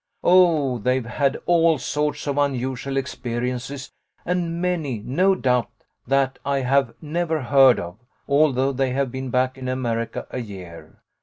Oh, they've had all sorts of unusual ex periences, and many, no doubt, that I have never heard of, although they have been back in America a year.